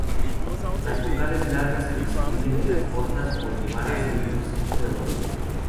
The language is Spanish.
Las vocales largas se distinguen de las cortas por llevar acento simple o doble.